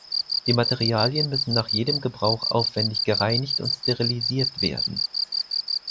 Die Materialien müssen nach jedem Gebrauch aufwändig gereinigt und sterilisiert werden.